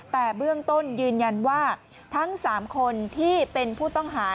แต่เบื้องต้นยืนยันว่าทั้ง๓คนที่เป็นผู้ต้องหา